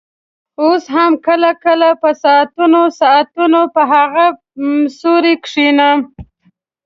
اوس هم کله کله په ساعتونو ساعتونو په هغه سوري کښېنم.